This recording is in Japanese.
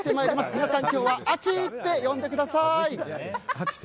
皆さん、今日はアキって呼んでください！